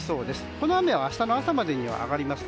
この雨は明日の朝までにはあがりますね。